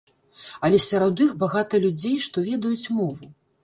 Але сярод іх багата людзей, што ведаюць мову.